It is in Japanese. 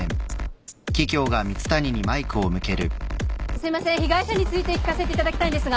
すいません被害者について聞かせていただきたいんですが。